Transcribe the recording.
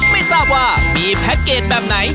ไม่ทราบว่ามีแพ็คเกจแบบไหน